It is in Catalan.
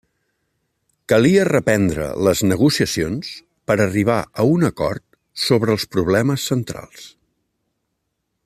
Calia reprendre les negociacions per arribar a un acord sobre els problemes centrals.